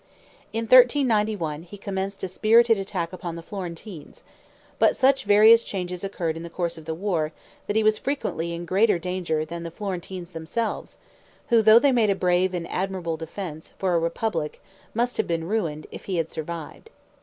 In 1391 he commenced a spirited attack upon the Florentines; but such various changes occurred in the course of the war, that he was frequently in greater danger than the Florentines themselves, who, though they made a brave and admirable defense, for a republic, must have been ruined, if he had survived.